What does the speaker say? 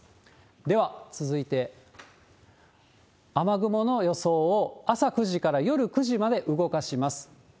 では、続いて雨雲の予想を朝９時から夜９時まで動かします。